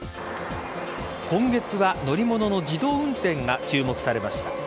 今月は乗り物の自動運転が注目されました。